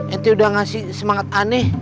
ente udah ngasih semangat ani